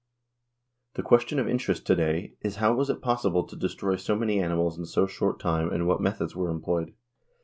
The question of interest to day is how was it possible to destroy so many animals in so short a time and what methods were employed?